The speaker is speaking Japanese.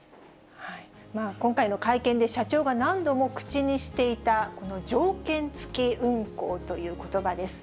今回の会見で、社長が何度も口にしていたこの条件付き運航ということばです。